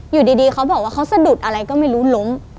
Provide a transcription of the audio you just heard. อยู่ดีเขาบอกว่าเขาสะดุดอะไรก็ไม่รู้ล้ม